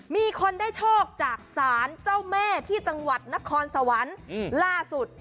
มีคนได้โชคจากศาลเจ้าแม่ที่จังหวัดนครสวรรค์ล่าสุด